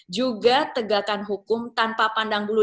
juga tegakan hukum tanpa pandang bulu